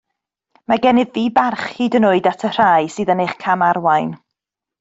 Mae gennyf fi barch hyd yn oed at y rhai sydd yn eich camarwain.